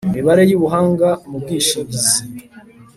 imibare y ubuhanga mu bwishingizi